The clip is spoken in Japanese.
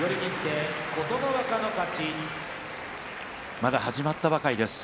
まだ始まったばかりです。